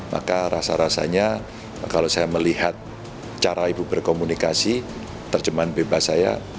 maka rasa rasanya kalau saya melihat cara ibu berkomunikasi terjemahan bebas saya